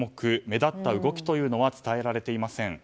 目立った動きというのは伝えられていません。